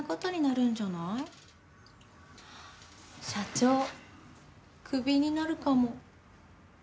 社長クビになるかも。